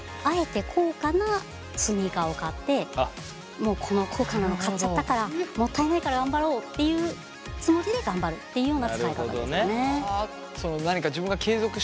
もうこの高価なの買っちゃったからもったいないから頑張ろうっていうつもりで頑張るっていうような使い方ですかね。